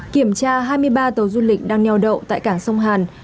kiểm tra hai mươi ba tàu du lịch đang nheo đậu tại cảng sông hàn